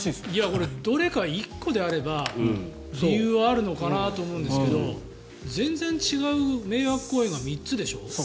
これどれか１個であれば理由はあるのかなと思うんですが全然違う迷惑行為が３つでしょ？